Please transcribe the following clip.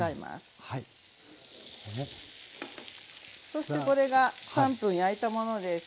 そしてこれが３分焼いたものです。